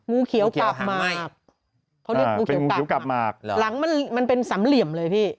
มูเขียวกลับมากเขาเรียกมูเขียวกลับมากหลังมันเป็นสำเหลี่ยมเลยพี่